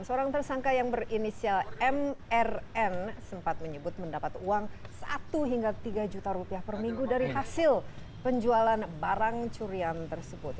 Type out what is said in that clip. seorang tersangka yang berinisial mrn sempat menyebut mendapat uang satu hingga tiga juta rupiah per minggu dari hasil penjualan barang curian tersebut